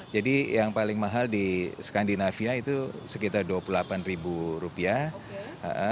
jadi yang paling mahal di skandinavia itu sekitar dua puluh delapan rupiah